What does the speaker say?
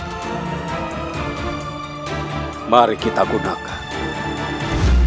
kita harus menggunakan itu